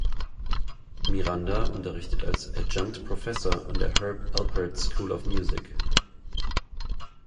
Miranda unterrichtet als Adjunct Professor an der Herb Alpert School of Music.